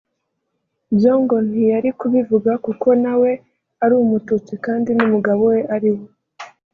byo ngo ntiyari kubivuga kuko nawe ari Umututsi kandi n’umugabo we ariwe